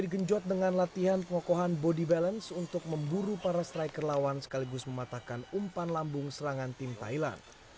digenjot dengan latihan pengokohan body balance untuk memburu para striker lawan sekaligus mematahkan umpan lambung serangan tim thailand